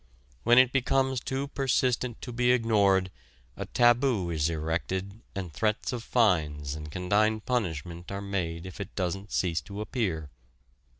When it becomes too persistent to be ignored a taboo is erected and threats of fines and condign punishment are made if it doesn't cease to appear.